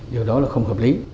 điều đó là không hợp lý